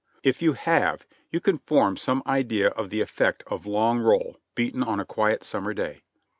If you have, you can form some idea of the effect of "long roll" beaten on a quiet summer day.